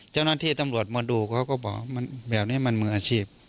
เจ้าหน้าที่ตำรวจมาดูเขาก็บอกแบบนี้มันมืออาชีพ